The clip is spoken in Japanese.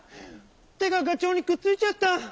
てががちょうにくっついちゃった！